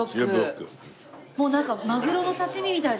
もうなんかマグロの刺し身みたいだね。